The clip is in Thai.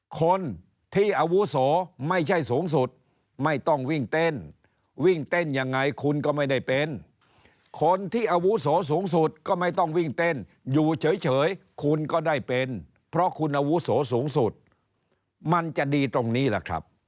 คนที่อาวุโสไม่ใช่สูงสุดไม่ต้องวิ่งเต้นวิ่งเต้นยังไงคุณก็ไม่ได้เป็นคนที่อาวุโสสูงสุดก็ไม่ต้องวิ่งเต้นอยู่เฉยคุณก็ได้เป็นเพราะคุณอาวุโสสูงสุดมันจะดีตรงนี้แหละครับ